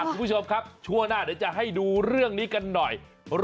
คุณผู้ชมครับช่วงหน้าเดี๋ยวจะให้ดูเรื่องนี้กันหน่อย